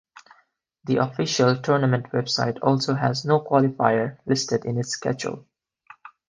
The official tournament website also has no qualifier listed in its schedule.